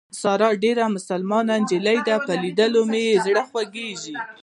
ساره ډېره مسلمان نجلۍ ده په لیدو مې یې زړه خوږېږي.